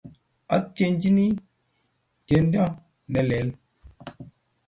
Otyenji tyendo ne leel.